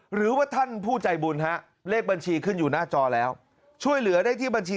หรือว่าท่านผู้ใจบุญฮะเลขบัญชีขึ้นอยู่หน้าจอแล้วช่วยเหลือได้ที่บัญชี